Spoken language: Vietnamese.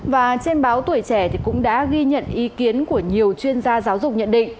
và trên báo tuổi trẻ cũng đã ghi nhận ý kiến của nhiều chuyên gia giáo dục nhận định